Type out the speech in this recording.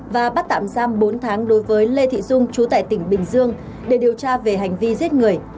và bắt tạm giam bốn tháng đối với lê thị dung chú tại tỉnh bình dương để điều tra về hành vi giết người